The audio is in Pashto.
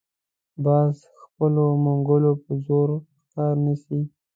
باز د خپلو منګولو په زور ښکار نیسي